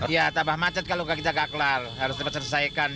ya tambah macet kalau kita gak kelar harus cepat selesaikan